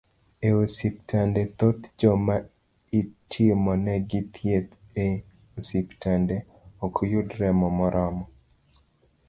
E osiptande, thoth joma itimonegi thieth e osiptande, ok yud remo moromo